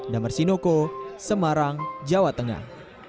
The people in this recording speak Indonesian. damarsinoko semarang jawa tengah